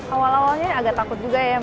awal awalnya agak takut juga ya